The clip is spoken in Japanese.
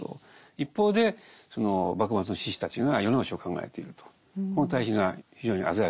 一方でその幕末の志士たちが世直しを考えているとこの対比が非常に鮮やかに書かれてますけれども。